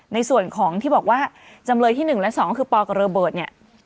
ในส่วนของที่บอกว่าจำเลยที่๑และ๒คือปกับระเบิดเนี่ย